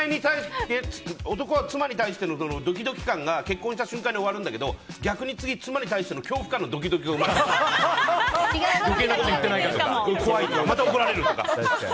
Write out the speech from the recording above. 男は妻に対してのドキドキ感が結婚した瞬間に終わるんだけど逆に次、妻に対しての恐怖に対するドキドキ感が生まれるのよ。